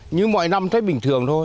như mọi năm thấy bình thường thôi